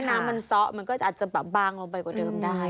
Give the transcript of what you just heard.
น้ำมันซ้อมันก็อาจจะแบบบางลงไปกว่าเดิมได้